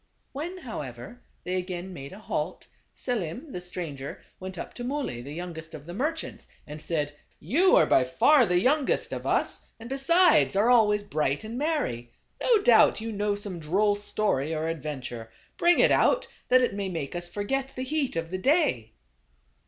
When, however, they again made a halt, Selim, the stranger, went up to Muley, the younger of the merchants, and said, " You are by far the youngest of us, and besides, are always bright and merry. No doubt you know some droll story or adventure. Bring it out, that it may make us forget the heat of the day."